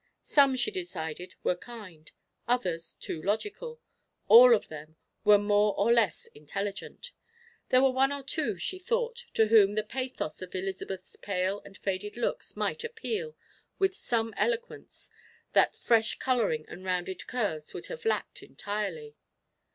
Some, she decided, were kind; others too logical; all of them were more or less intelligent. There were one or two, she thought, to whom the pathos of Elizabeth's pale and faded looks might appeal with an eloquence that fresh coloring and rounded curves would have lacked entirely.